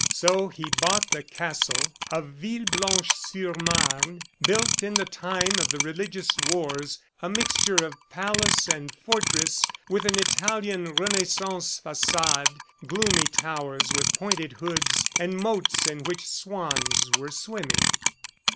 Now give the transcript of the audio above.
So he bought the castle of Villeblanche sur Marne, built in the time of the religious wars a mixture of palace and fortress with an Italian Renaissance facade, gloomy towers with pointed hoods, and moats in which swans were swimming.